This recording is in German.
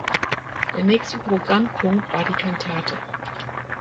Der nächste Programmpunkt war die Kantate.